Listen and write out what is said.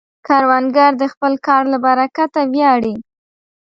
کروندګر د خپل کار له برکته ویاړي